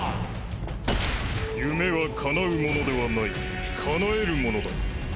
夢はかなうものではないかなえるものだ。